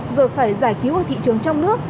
rồi phải giải cứu ở thị trường trong nước